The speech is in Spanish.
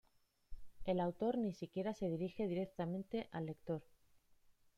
El autor ni siquiera se dirige directamente al lector.